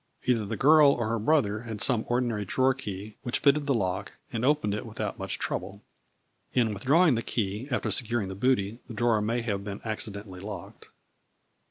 Either the girl or her brother had some ordi nary drawer key which fitted the lock, and opened it without much trouble. In withdraw ing the key, after securing the booty, the drawer may have been accidentally locked."